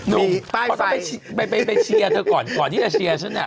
ก็ต้องไปเชียร์เธอก่อนก่อนที่จะเชียร์ฉันเนี่ย